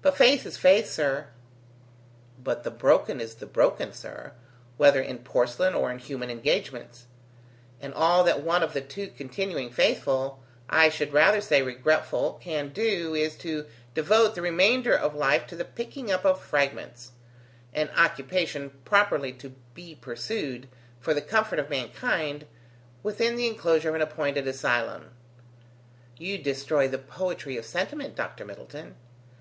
"But faith is faith, sir." "But the broken is the broken, sir, whether in porcelain or in human engagements; and all that one of the two continuing faithful, I should rather say, regretful, can do, is to devote the remainder of life to the picking up of the fragments; an occupation properly to be pursued, for the comfort of mankind, within the enclosure of an appointed asylum." "You destroy the poetry of sentiment, Dr. Middleton."